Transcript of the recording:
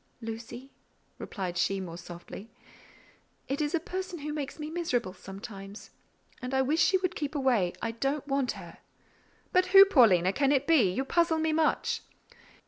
"Lucy," replied she more softly, "it is a person who makes me miserable sometimes; and I wish she would keep away—I don't want her." "But who, Paulina, can it be? You puzzle me much."